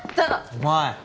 お前